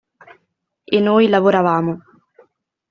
E noi lavoravamo.